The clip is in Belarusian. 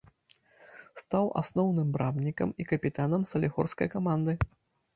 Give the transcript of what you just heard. Стаў асноўным брамнікам і капітанам салігорскай каманды.